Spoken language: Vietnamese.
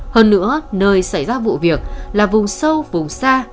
hơn nữa nơi xảy ra vụ việc là vùng sâu vùng xa